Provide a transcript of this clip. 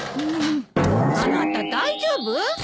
あなた大丈夫？